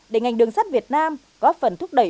để ngành đường sắt việt nam góp phần thúc đẩy